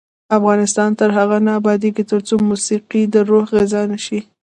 افغانستان تر هغو نه ابادیږي، ترڅو موسیقي د روح غذا نشي.